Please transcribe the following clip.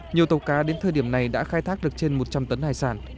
nhiều tàu cá đến thời điểm này đã khai thác được trên một trăm linh tấn hải sản